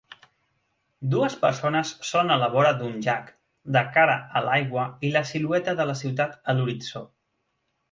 Dues persones són a la vora d'un llac, de cara a l'aigua i la silueta de la ciutat a l'horitzó.